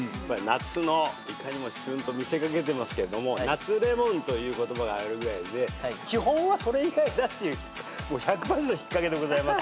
夏のいかにも旬と見せかけてますけれども夏レモンという言葉があるぐらいで基本はそれ以外だっていう１００％引っかけでございます。